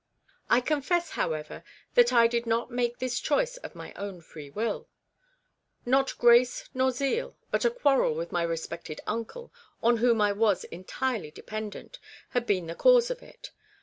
I confess, however, that I did not make this choice of my own free will. " Not grace, nor zeal," but a quarrel with my respected uncle, on REBECCA'S REMORSE. 195 whom I was entirely dependent, had been the cause of it.